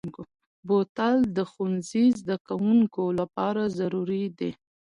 بوتل د ښوونځي زدهکوونکو لپاره ضروري دی.